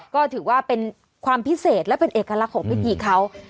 ก็ถือว่าเป็นความพิเศษและเป็นเอกลักษณ์ของพิธีเขา